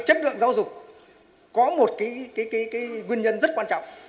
chất lượng giáo dục có một nguyên nhân rất quan trọng